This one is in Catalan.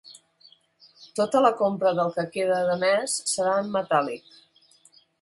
Tota la compra del que queda de mes serà en metàl·lic.